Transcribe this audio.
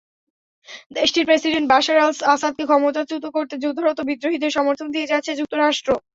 দেশটির president Bashar আল-আসাদকে ক্ষমতাচ্যুত করতে যুদ্ধরত বিদ্রোহীদের সমর্থন দিয়ে যাচ্ছে যুক্তরাষ্ট্র।